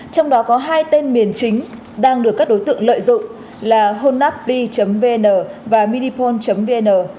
trong đó có hai tên miền chính đang được các đối tượng lợi dụng là honapy vn và minipol vn